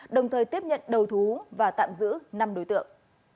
đồng thời tiếp nhận đầu thú và tạm giữ năm đối tượng